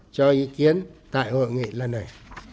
cho ý kiến tại hội nghị lần này